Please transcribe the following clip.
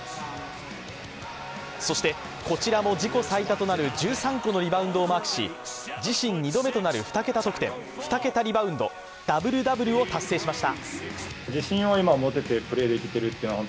そしてこちらも自己最多となる１３個のリバウンドをマークし自身２度目となる２桁得点２桁リバウンドダブル・ダブルを達成しました。